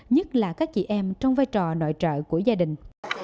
nhất là các chị em trong vai trò nội trợ của gia đình